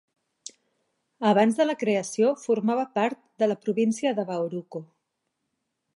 Abans de la creació formava part de la província de Baoruco.